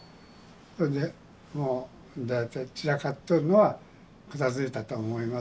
これでもう大体散らかっとるのは片づいたと思います。